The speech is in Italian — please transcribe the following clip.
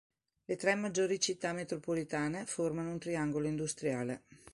Le tre maggiori città metropolitane formano un triangolo industriale.